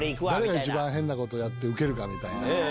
誰が一番変なことやってウケるかみたいな。